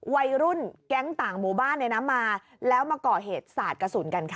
วัยรุ่นแก๊งต่างหมู่บ้านมาแล้วมาก่อเหตุสาดกระสุนกันค่ะ